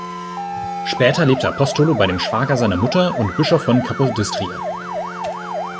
Später lebte Apostolo bei dem Schwager seiner Mutter und Bischof von Capodistria.